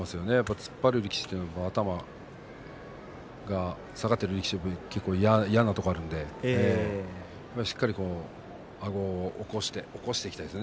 突っ張る力士は頭が下がった力士は結構嫌なところがあるのでしっかりあごを起こしていきたいですね。